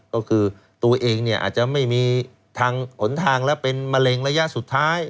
ก็คือตัวเองเนี่ยอาจจะไม่มีทางหนทางและเป็นมะเร็งระยะสุดท้าย